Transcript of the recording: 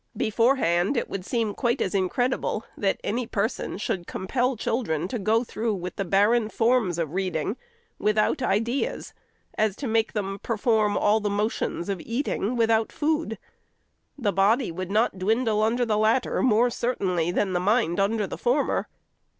Beforehand, it would seem quite as incredible, that any person should compel children to go through with the barren forms of reading, without ideas, as to make them perform all the motions of eating, without food. The body would not dwindle under the latter more certainly than the mind under the former.